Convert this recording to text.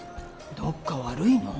どっか悪いの？